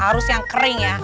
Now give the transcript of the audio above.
harus yang kering ya